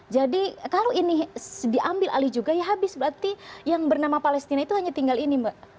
jadi kalau ini diambil alih juga ya habis berarti yang bernama palestina itu hanya tinggal ini mbak